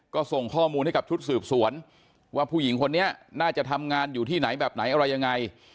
ก็ส่งข้อมูลให้กับชุดสืบสวนว่าผู้หญิงคนนี้น่าจะทำงานอยู่ที่ไหนแบบไหนอะไรยังไง